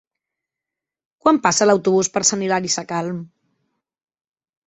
Quan passa l'autobús per Sant Hilari Sacalm?